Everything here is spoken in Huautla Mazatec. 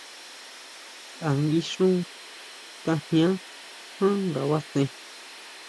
Saʼa nguixún sikajian ján ngabasen.